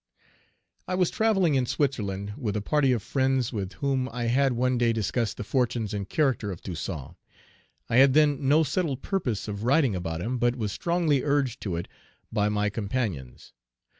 I was travelling in Switzerland, with a party of friends, with whom I had one day discussed the fortunes and character of Toussaint. I had then no settled purpose of writing about him, but was strongly urged to it by my companions.